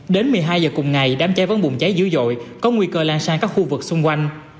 đến một mươi hai giờ cùng ngày đám cháy vẫn bùng cháy dữ dội có nguy cơ lan sang các khu vực xung quanh